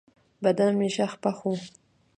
بدن مې شخ پخ و.